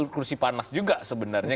kursi panas juga sebenarnya